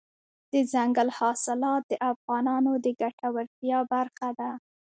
دځنګل حاصلات د افغانانو د ګټورتیا برخه ده.